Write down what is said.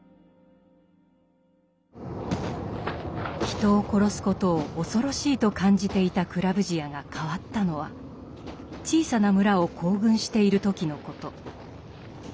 人を殺すことを恐ろしいと感じていたクラヴヂヤが変わったのは小さな村を行軍している時のこと。